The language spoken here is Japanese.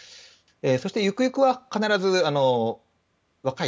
そして、行く行くは必ず若い